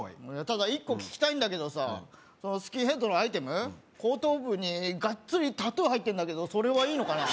ただ一個聞きたいんだけどさスキンヘッドのアイテム後頭部にがっつりタトゥー入ってんだけどそれはいいのかな？